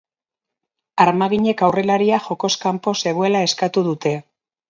Armaginek aurrelaria jokoz kanpo zegoela eskatu dute.